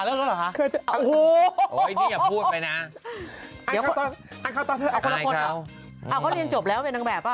เอาเขาเรียนจบแล้วเป็นนางแบบป่